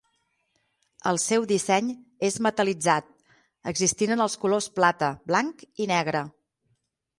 El seu disseny és metal·litzat, existint en els colors plata, blanc i negre.